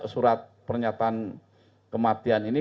surat pernyataan kematian ini